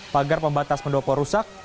pagar pembatas pendopo rusak